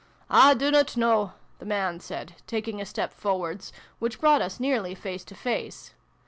" I dunnot know," the man said, taking a step forwards, which brought us nearly face to face.